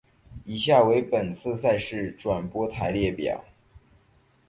以下为本次赛事转播台列表。